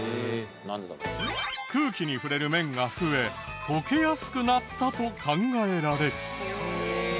空気に触れる面が増え溶けやすくなったと考えられる。